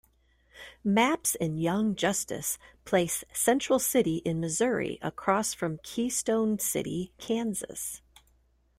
Maps in Young Justice place Central City in Missouri across from Keystone City, Kansas.